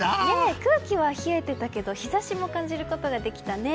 空気は冷えてたけど日差しも感じることができたね。